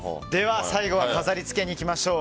最後は飾り付けにいきましょう。